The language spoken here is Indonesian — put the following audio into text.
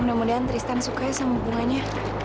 mudah mudahan tristan suka sama bunganya